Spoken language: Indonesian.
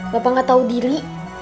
bapak gak tau diri